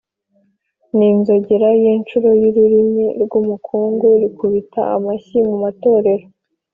ninzogera yincuro yururimi rwumukungugu ikubita amashyi mumatorero